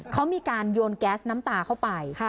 เขามีการโยนแก๊สน้ำตาเข้าไป